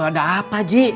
lo ada apa ji